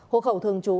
hộ khẩu thường trú